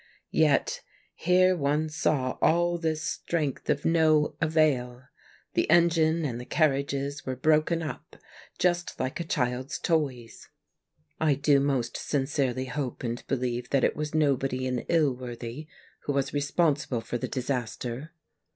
Yet here one saw all this strength of no avail. The engine and the carriages were broken up just like a child's toys. I do most sincerely hope and believe that it was nobody in Ilworthy who 74 THE MAGNET was responsible for the disaster.